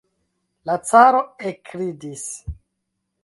La caro ekridis.